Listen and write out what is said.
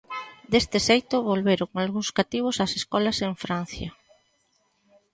Deste xeito volveron algúns cativos ás escolas en Francia.